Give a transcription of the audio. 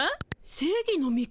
正義の味方？